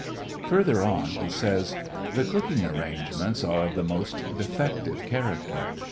Further on he says : The cooking arrangements are of the most defective character.